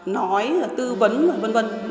nói tư vấn v v